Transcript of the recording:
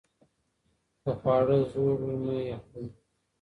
که خواړه زوړ وي مه یې خورئ.